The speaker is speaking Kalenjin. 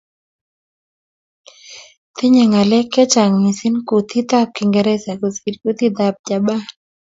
Tinyei ngalek chechang missing kutitab kingereza kosir kutitab japan